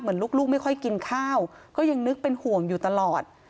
ลูกไม่ค่อยกินข้าวก็ยังนึกเป็นห่วงอยู่ตลอด